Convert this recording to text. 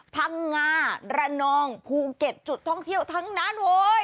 พังงาระนองภูเก็ตจุดท่องเที่ยวทั้งนั้นเว้ย